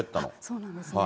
そうなんですね。